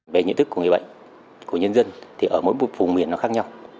bệnh nhiễm thức của người bệnh của nhân dân thì ở mỗi vùng miền nó khác nhau